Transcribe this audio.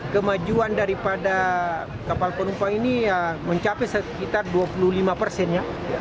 kemajuan daripada kapal penumpang ini mencapai sekitar dua puluh lima persen ya